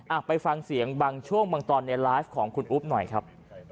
อ่ะไปฟังเสียงบางช่วงบางตอนในไลฟ์ของคุณอุ๊บหน่อยครับ